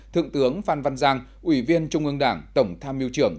thượng tướng phan văn giang ủy viên trung ương đảng tổng tham mưu trưởng